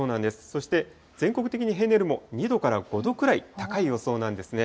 そして全国的に平年よりも２度から５度くらい高い予想なんですね。